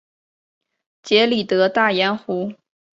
杰里德大盐湖。